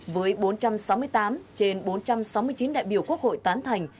với bốn trăm sáu mươi tám trên bốn trăm sáu mươi chín đại biểu quốc hội tán thành